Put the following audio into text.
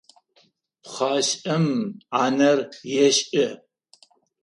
Пхъашӏэм ӏанэр ешӏы.